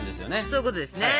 そういうことですね。